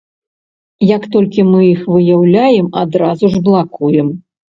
Як толькі мы іх выяўляем, адразу ж блакуем.